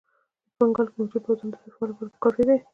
په بنګال کې موجود پوځونه د دفاع لپاره کافي دي.